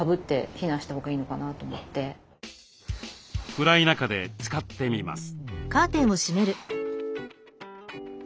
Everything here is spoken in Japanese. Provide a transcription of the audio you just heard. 暗い中で使ってみます。